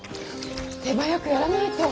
手早くやらないと。